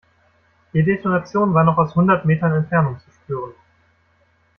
Die Detonation war noch aus hundert Metern Entfernung zu spüren.